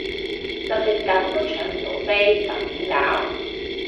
實力緊都搶唔到飛咁點搞？